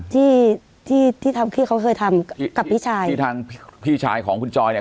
ที่ที่ทำพี่เขาเคยทำกับพี่ชายที่ทางพี่ชายของคุณจอยเนี่ย